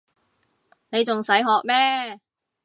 你仲使學咩